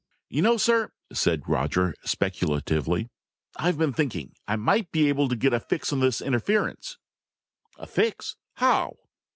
"You know, sir," said Roger speculatively, "I've been thinking. I might be able to get a fix on this interference." "A fix? How?"